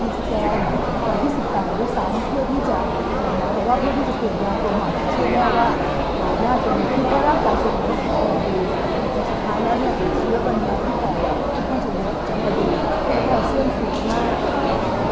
พวกผู้โดยจะมาดูกันเข้ามาช่วงสุดมาก